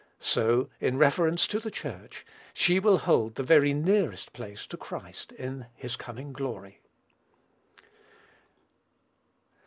So, in reference to the Church, she will hold the very nearest place to Christ, in his coming glory.